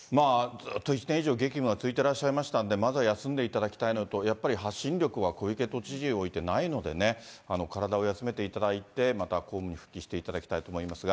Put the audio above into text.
ずっと１年以上、激務が続いていらっしゃいましたので、まだ休んでいただきたいのと、やっぱり発信力は小池都知事をおいてないのでね、体を休めていただいて、また公務に復帰していただきたいと思いますが。